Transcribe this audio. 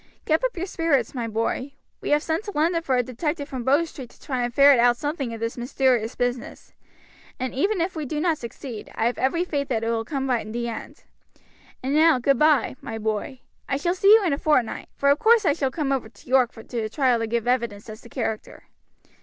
Keep up your spirits, my boy. We have sent to London for a detective from Bow Street to try and ferret out something of this mysterious business; and even if we do not succeed, I have every faith that it will come right in the end. And now goodby, my boy, I shall see you in a fortnight, for of course I shall come over to York to the trial to give evidence as to character."